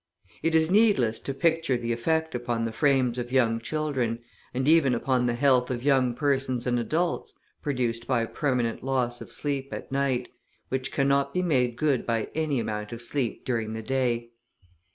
It is needless to picture the effect upon the frames of young children, and even upon the health of young persons and adults, produced by permanent loss of sleep at night, which cannot be made good by any amount of sleep during the day.